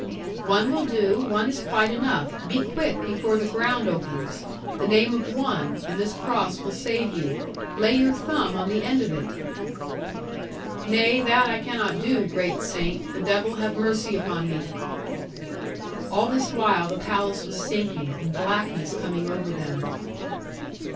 'One will do; one is quite enough; be quick before the ground opens. The name of one and this cross will save you. Lay your thumb on the end of it.' 'Nay, that I cannot do, great saint. The devil have mercy upon me.' All this while the palace was sinking, and blackness coming over them.